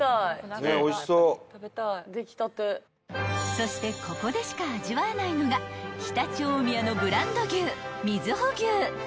［そしてここでしか味わえないのが常陸大宮のブランド牛］